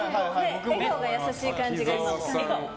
笑顔が優しい感じで。